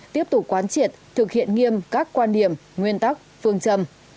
tiếp tục quán triệt thực hiện nghiêm các quan điểm nguyên tắc phương châm